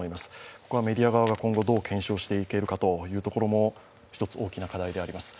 ここはメディア側がどう検証していけるかということも大きな課題であります。